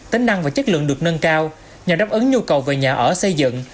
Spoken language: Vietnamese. tính năng và chất lượng được nâng cao nhằm đáp ứng nhu cầu về nhà ở xây dựng